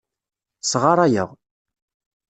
Sɣaṛayeɣ.